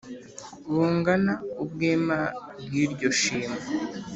Bungana ubwema bw'iryo shimo.